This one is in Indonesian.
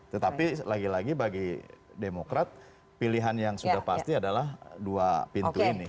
tetapi lagi lagi bagi demokrat pilihan yang sudah pasti adalah dua pintu ini